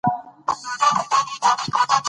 تاوان مې د تجربې یو ډېر ارزښتناک قیمت وباله.